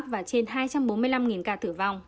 và trên hai trăm bốn mươi năm ca tử vong